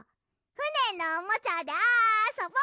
ふねのおもちゃであそぼ！